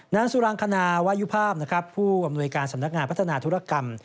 นางสุรังคณาวายุภาพนะครับผู้อำนวยการสำนักงานพัฒนาธุรกรรม